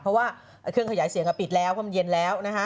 เพราะว่าเครื่องขยายเสียงปิดแล้วเพราะมันเย็นแล้วนะฮะ